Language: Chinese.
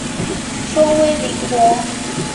封威宁伯。